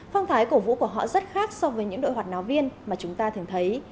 phong thái cổ vũ của họ rất khác so với những đội hoạt náo viên mà chúng ta thường thấy